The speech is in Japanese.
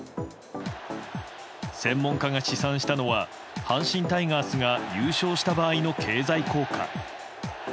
専門家が試算したのは阪神タイガースが優勝した場合の経済効果。